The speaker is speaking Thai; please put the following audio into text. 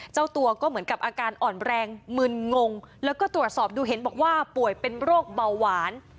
เจ้าตัวก็เหมือนกับอาการอ่อนแรงมึนงงแล้วก็ตรวจสอบดูเห็นบอกว่าป่วยเป็นโรคเบาหวาน